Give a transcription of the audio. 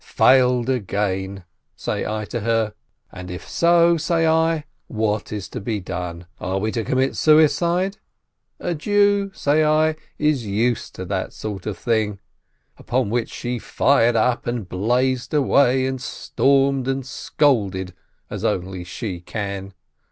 "Failed again !" say I to her. "And if so," say I, "what is to be done? Are we to commit suicide? A Jew," say I, "is used to that sort of thing," upon which she fired up and blazed away and stormed and scolded as only she can.